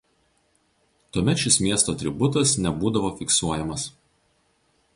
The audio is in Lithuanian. Tuomet šis miesto atributas nebūdavo fiksuojamas.